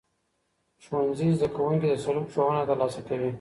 ښوونځي زدهکوونکي د سلوک ښوونه ترلاسه کوي.